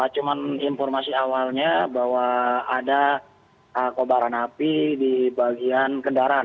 cuma informasi awalnya bahwa ada kobaran api di bagian kendaraan